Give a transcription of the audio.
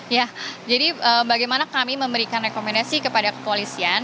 ya jadi bagaimana kami memberikan rekomendasi kepada kepolisian